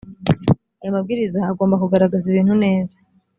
ayo mabwiriza agomba kugaragaza ibintu neza